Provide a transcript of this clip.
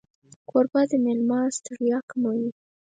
کوربه د مېلمه ستړیا کموي.